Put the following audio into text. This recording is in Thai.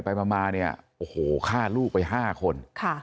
ไปมาเนี่ยโอ้โหฆ่าลูกไป๕คน